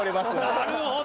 なるほど！